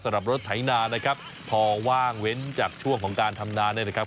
รถไถนานะครับพอว่างเว้นจากช่วงของการทำนาเนี่ยนะครับ